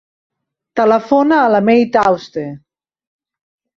Telefona a la Mei Tauste.